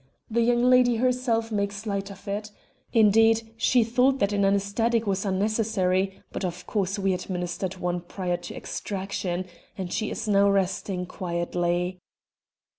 The young lady herself makes light of it. Indeed, she thought that an anaesthetic was unnecessary, but of course we administered one prior to extraction, and she is now resting quietly."